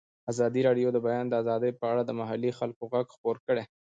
ازادي راډیو د د بیان آزادي په اړه د محلي خلکو غږ خپور کړی.